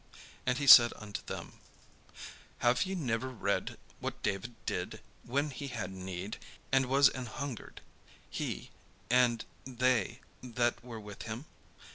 And he said unto them: "Have ye never read what David did, when he had need, and was an hungered, he, and they that were with him?